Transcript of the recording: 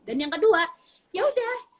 dan yang kedua ya udah